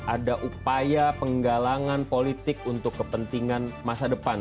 ada upaya penggalangan politik untuk kepentingan masa depan